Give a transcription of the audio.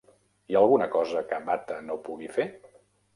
Hi ha alguna cosa que Bata no pugui fer?